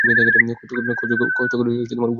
কষ্ট করে উপার্জন করতে হয়।